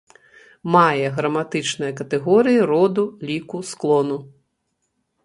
Мае граматычныя катэгорыі роду, ліку, склону.